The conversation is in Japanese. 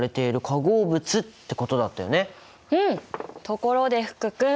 ところで福君。